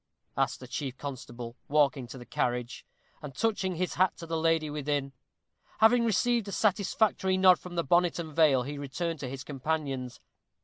asked the chief constable, walking to the carriage, and touching his hat to the lady within. Having received a satisfactory nod from the bonnet and veil, he returned to his companions.